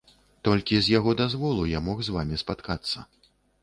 Толькі з яго дазволу я мог з вамі спаткацца.